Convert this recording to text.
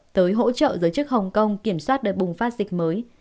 tới hỗ trợ giới chức hồng kông kiểm soát đợt bùng phát dịch mới